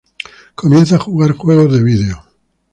Comienza a jugar juegos de video.